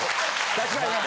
確かにな。